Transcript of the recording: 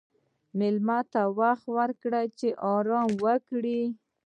مېلمه ته وخت ورکړه چې آرام وکړي.